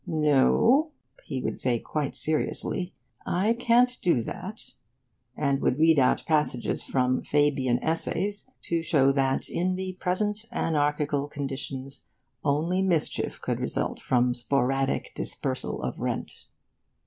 'No,' he would say quite seriously, 'I can't do that,' and would read out passages from 'Fabian Essays' to show that in the present anarchical conditions only mischief could result from sporadic dispersal of rent.